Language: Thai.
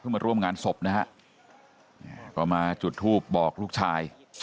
มาร่วมงานศพนะฮะก็มาจุดทูปบอกลูกชาย